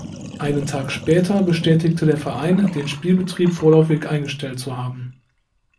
Einen Tag später bestätigte der Verein, den Spielbetrieb vorläufig eingestellt zu haben.